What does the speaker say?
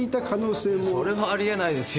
それはあり得ないですよ。